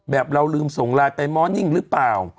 แบบเรารึมส่งไลน์ไปมอร์นิ่งหรือเปล่า